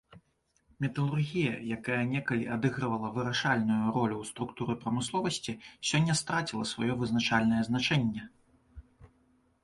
Металургія, якая некалі адыгрывала вырашальную ролю ў структуры прамысловасці, сёння страціла сваё вызначальнае значэнне.